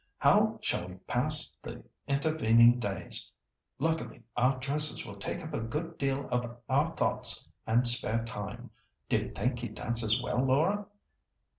how shall we pass the intervening days? Luckily our dresses will take up a good deal of our thoughts and spare time. Do you think he dances well, Laura?"